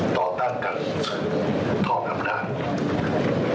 ต่อต้านกันทอบอำนาจ